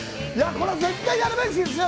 これは絶対やるべきですね。